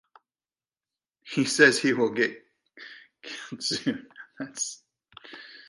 It says he will get killed soon.